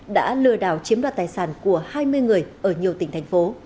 đã lừa đảo chiếm đoạt tài sản của hai mươi người ở nhiều tỉnh thành phố